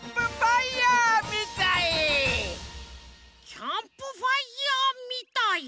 「キャンプファイヤーみたい」？